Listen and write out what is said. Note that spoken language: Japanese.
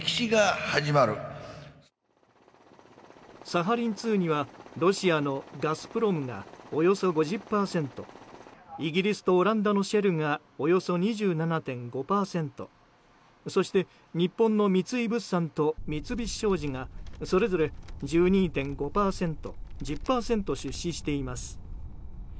サハリン２にはロシアのガスプロムがおよそ５０％イギリスとオランダのシェルがおよそ２７．５％そして日本の三井物産と三菱商事がそれぞれ１２．５％、１０％出資しています。